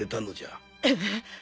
えっ！？